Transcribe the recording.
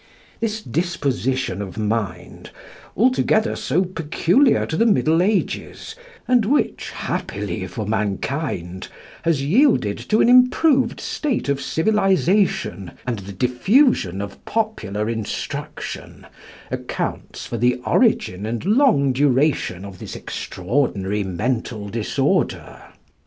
This disposition of mind, altogether so peculiar to the Middle Ages, and which, happily for mankind, has yielded to an improved state of civilisation and the diffusion of popular instruction, accounts for the origin and long duration of this extraordinary mental disorder.